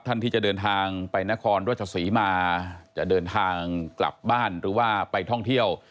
ท่านที่จะเดินทางไปนครราชศรีมาจะเดินทางกลับบ้านหรือว่าไปท่องเที่ยว